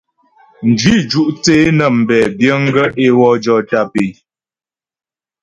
Mjwǐ ju' thə́ é nə́ mbɛ biəŋ gaə́ é wɔ jɔ tàp é.